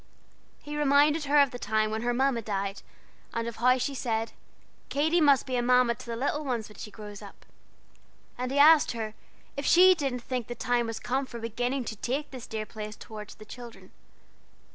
He reminded her of the time when her Mamma died, and of how she said, "Katy must be a Mamma to the little ones, when she grows up." And he asked her if she didn't think the time was come for beginning to take this dear place towards the children.